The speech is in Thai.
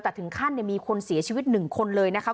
แต่ถึงขั้นมีคนเสียชีวิต๑คนเลยนะครับ